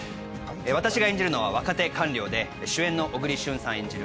私が演じるのは若手官僚で主演の小栗旬さん演じる